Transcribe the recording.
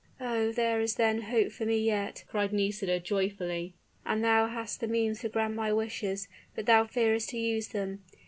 "Oh! there is then hope for me yet!" cried Nisida, joyfully; "and thou hast the means to grant my wishes, but thou fearest to use them.